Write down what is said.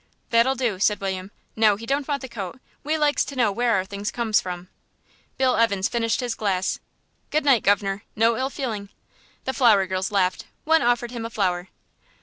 "That'll do," said William. "... No, he don't want the coat. We likes to know where our things comes from." Bill Evans finished his glass. "Good night, guv'nor; no ill feeling." The flower girls laughed; one offered him a flower.